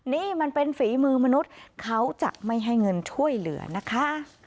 นี่มันเป็นฝีมือมนุษย์เขาจะไม่ให้เงินช่วยเหลือนะคะ